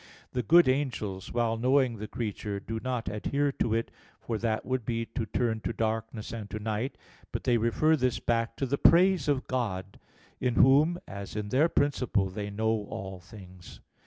The good angels, while knowing the creature, do not adhere to it, for that would be to turn to darkness and to night; but they refer this back to the praise of God, in Whom, as in their principle, they know all things.